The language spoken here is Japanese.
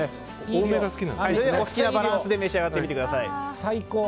お好きなバランスで召し上がってみてください。